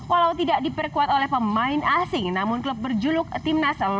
walau tidak diperkuat oleh pemain asing namun klub berjuluk tim nasional